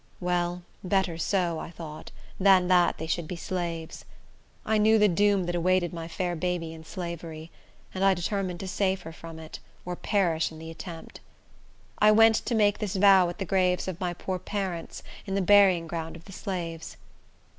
Well, better so, I thought, than that they should be slaves. I knew the doom that awaited my fair baby in slavery, and I determined to save her from it, or perish in the attempt. I went to make this vow at the graves of my poor parents, in the burying ground of the slaves.